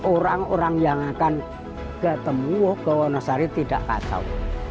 orang orang yang akan ketemu ke wonosari tidak kasau